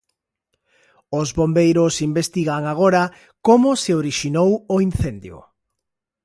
Os bombeiros investigan agora como se orixinou o incendio.